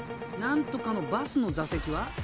「何とかのバスの座席は？」